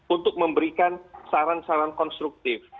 untuk memberikan saran saran konstruktif